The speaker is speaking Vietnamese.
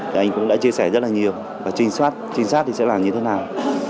thì anh cũng đã chia sẻ rất là nhiều và trinh sát trinh sát thì sẽ làm như thế nào